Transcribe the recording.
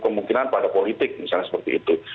kemungkinan pada politik misalnya seperti itu